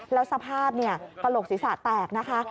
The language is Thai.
แล้วสภาพกระโหลกศีรษะแตกนะคะ